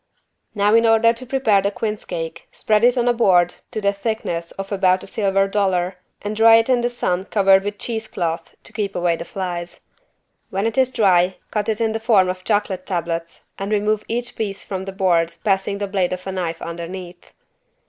Now in order to prepare the quince cake spread it on a board to the thickness of about a silver dollar and dry it in the sun covered with cheese cloth to keep away the flies. When it is dry cut it in the form of chocolate tablets and remove each piece from the board passing the blade of a knife underneath.